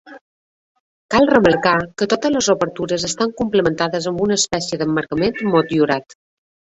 Cal remarcar que totes les obertures estan complementades amb una espècie d'emmarcament motllurat.